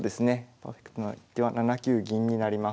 パーフェクトな一手は７九銀になります。